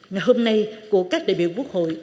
ngày hôm nay của các đại biểu quốc hội